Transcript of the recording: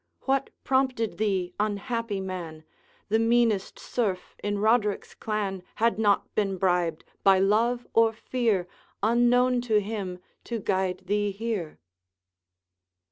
What prompted thee, unhappy man? The meanest serf in Roderick's clan Had not been bribed, by love or fear, Unknown to him to guide thee here.'